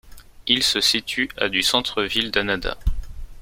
Il se situe à du centre ville d'Adana.